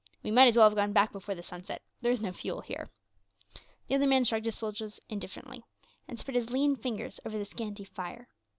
"We might as well have gone back before the sun set; there is no fuel here." The other man shrugged his shoulders indifferently, and spread his lean fingers over the scanty fire.